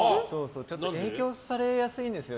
影響されやすいんですよ